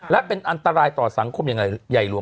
และเป็นอันตรายต่อสังคมอย่างใหญ่หลวง